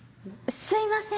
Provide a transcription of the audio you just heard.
すいません。